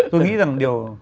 tôi nghĩ rằng điều